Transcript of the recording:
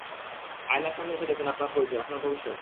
আয়নার সামনে এসে দেখুন আপনার পরিচয়, আপনার ভবিষ্যৎ।